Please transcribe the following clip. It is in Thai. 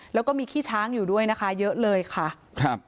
แล้วก็มีขี้ช้างอยู่ด้วยนะคะเยอะเลยค่ะครับ